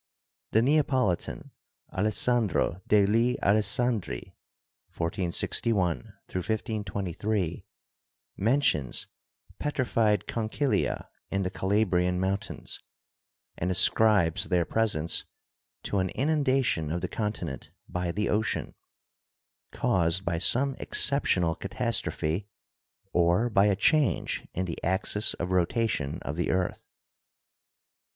The Neapolitan, Alessandro degli Alessandri (1461 1523), mentions petrified conchylia in the Calabrian mountains, and ascribes their presence to an inundation of the continent by the ocean, caused by some exceptional catastrophe or by a change in the axis of rotation of the earth.